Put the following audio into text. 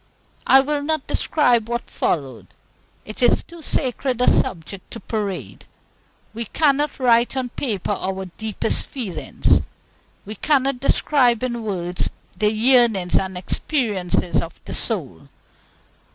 I will not describe what followed. It is too sacred a subject to parade. We cannot write on paper our deepest feelings; we cannot describe in words the yearnings and experiences of the soul.